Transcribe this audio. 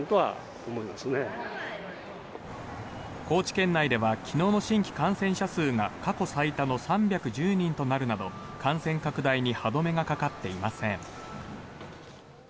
高知県内では昨日の新規感染者数が過去最多の３１０人となるなど感染拡大に歯止めがかかっていません。